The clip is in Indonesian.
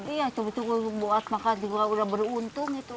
iya sebetulnya buat makan juga udah beruntung itu